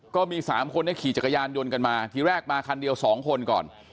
ก็มี๓คนขี่จักรยานยนต์กันมาทีแรกมาคันเดียว๒คนก่อน